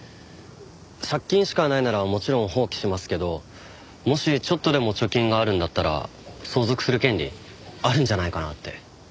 借金しかないならもちろん放棄しますけどもしちょっとでも貯金があるんだったら相続する権利あるんじゃないかなって。